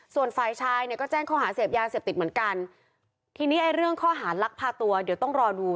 ส่วนฝ่ายชายเนี่ยก็แจ้งข้อหาเสพยาเสพติดเหมือนกันทีนี้ไอ้เรื่องข้อหารักพาตัวเดี๋ยวต้องรอดู